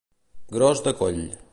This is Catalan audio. Gros de coll.